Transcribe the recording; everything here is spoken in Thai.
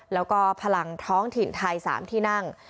แล้วก็พลังท้องถิ่นไทย๓ที่นั่ง